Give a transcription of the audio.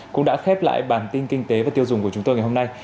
cũng đã khép lại bản tin kinh tế và tiêu dùng của chúng tôi ngày hôm nay